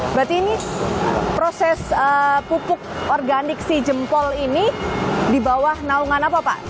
berarti ini proses pupuk organik si jempol ini di bawah naungan apa pak